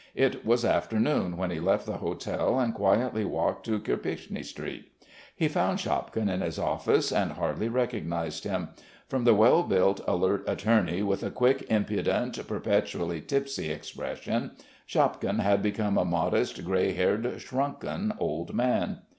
It was afternoon when he left the hotel and quietly walked to Kirpichny Street. He found Shapkin in his office and hardly recognised him. From the well built, alert attorney with a quick, impudent, perpetually tipsy expression, Shapkin had become a modest, grey haired, shrunken old man.